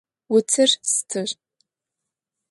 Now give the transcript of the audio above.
Утыр стыр.